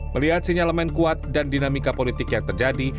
melihat sinyal main kuat dan dinamika politik yang terjadi